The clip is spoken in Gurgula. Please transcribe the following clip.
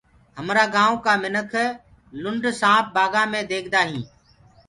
همرآ گآئونٚ ڪآ لِنڊ سآنپ بآگآنٚ مي ديکدآ هينٚ۔